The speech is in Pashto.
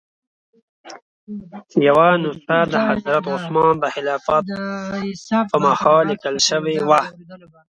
چې یوه نسخه د حضرت عثمان د خلافت په مهال لیکل شوې وه.